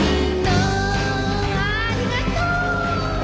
ありがとう！